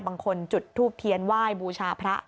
บางคนจุดทูบเทียนไหว้บูชาพระ